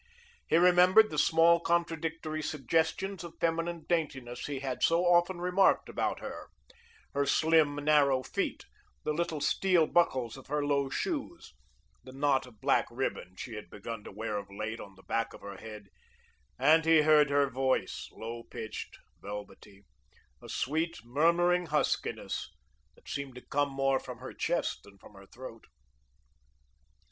He remembered the small contradictory suggestions of feminine daintiness he had so often remarked about her, her slim, narrow feet, the little steel buckles of her low shoes, the knot of black ribbon she had begun to wear of late on the back of her head, and he heard her voice, low pitched, velvety, a sweet, murmuring huskiness that seemed to come more from her chest than from her throat.